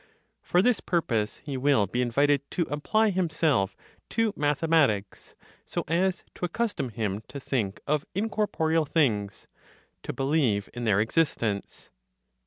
For this purpose he will be invited to apply himself to mathematics, so as to accustom him to think of incorporeal things, to believe in their existence.